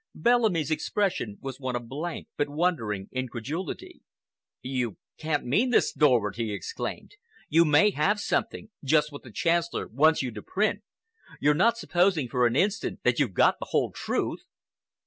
Bellamy's expression was one of blank but wondering incredulity. "You can't mean this, Dorward!" he exclaimed. "You may have something—just what the Chancellor wants you to print. You're not supposing for an instant that you've got the whole truth?"